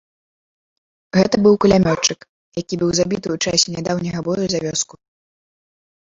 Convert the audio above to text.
Гэта быў кулямётчык, які быў забіты ў часе нядаўняга бою за вёску.